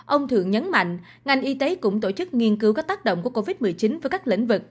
ông thượng nhấn mạnh ngành y tế cũng tổ chức nghiên cứu các tác động của covid một mươi chín với các lĩnh vực